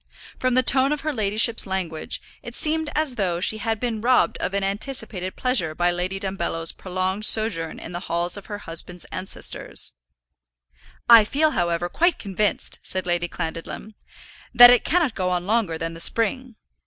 From the tone of her ladyship's language, it seemed as though she had been robbed of an anticipated pleasure by Lady Dumbello's prolonged sojourn in the halls of her husband's ancestors. "I feel, however, quite convinced," said Lady Clandidlem, "that it cannot go on longer than the spring.